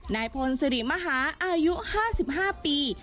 นายพลสิริมหาอายุ๕๕ปี